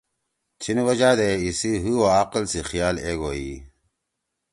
تھیِن وجہ دے ایِسی حی او عقل سی خیال ایک ہُوئی